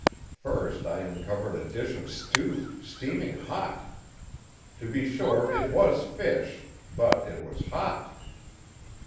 First I uncovered a dish of stew, steaming hot! To be sure, it was fish, but it was hot.